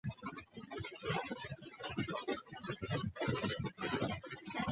মন্দিরের তখনও প্রতিষ্ঠা হয়নি।